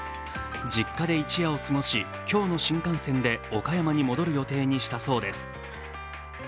実家で一夜を過ごし今日の新幹線で岡山に戻る予定にしたそうです